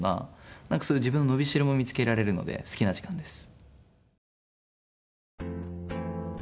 そういう自分の伸び代も見付けられるので好きな時間です。